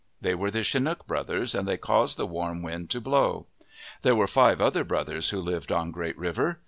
They were the Chinook brothers and they caused the warm wind to blow. There were five other brothers who lived on Great River.